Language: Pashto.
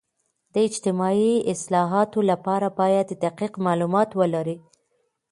د اجتماعي اصلاحاتو لپاره باید دقیق معلومات ولري.